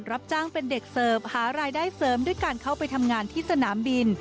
รับจ้างเป็นเด็กเสิร์ฟหารายได้เสริมด้วยการเข้าไปทำงานที่สนามบิน